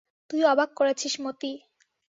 তুই অবাক করেছিস মতি।